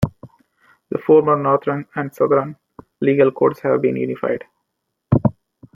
The former northern and southern legal codes have been unified.